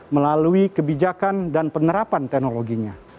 melalui kebijakan dan penerapan teknologinya